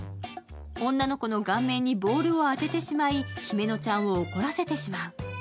女の子の顔面にボールを当ててしまい姫乃ちゃんを怒らせてしまう。